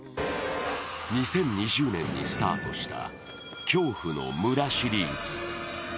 ２０２０年にスタートした恐怖の村シリーズ。